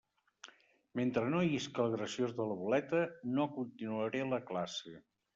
Mentre no isca el graciós de la boleta, no continuaré la classe.